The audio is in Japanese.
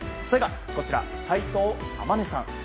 それがこちら、齋藤周さん。